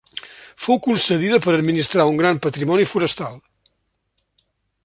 Fou concedida per administrar un gran patrimoni forestal.